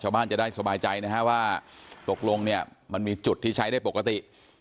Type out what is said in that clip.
ชาวบ้านจะได้สบายใจนะฮะว่าตกลงเนี่ยมันมีจุดที่ใช้ได้ปกติ